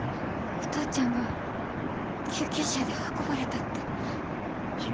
お父ちゃんが救急車で運ばれたって。